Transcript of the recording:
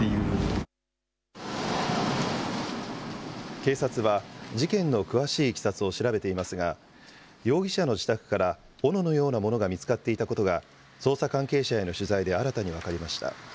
警察は、事件の詳しいいきさつを調べていますが、容疑者の自宅から、おののようなものが見つかっていたことが、捜査関係者への取材で新たに分かりました。